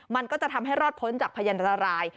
มันก็จะทำให้รอดพ้นจากพยันตราย